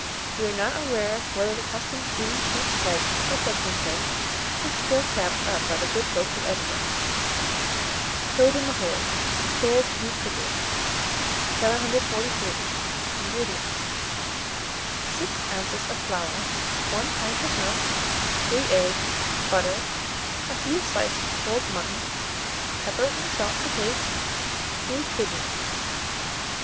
We are not aware whether the custom of eating sheep's heads at Dudingston is still kept up by the good folks of Edinburgh. TOAD IN THE HOLE (Cold Meat Cookery). 743. INGREDIENTS. 6 oz. of flour, 1 pint of milk, 3 eggs, butter, a few slices of cold mutton, pepper and salt to taste, 2 kidneys.